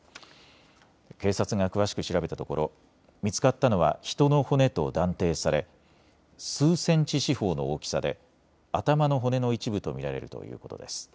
警察が詳しく調べたところ見つかったのは人の骨と断定され数センチ四方の大きさで頭の骨の一部と見られるということです。